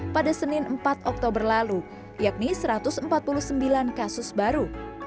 pada senin empat oktober lalu yakni satu ratus empat puluh sembilan kasus baru